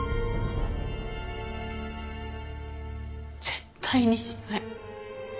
絶対にしない。